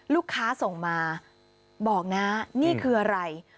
ลูกค้าส่งมาบอกนะนี่คืออะไร